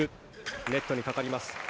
ネットにかかります。